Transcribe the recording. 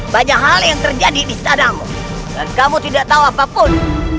banyak hal yang terjadi di istanamu dan kamu tidak tahu apapun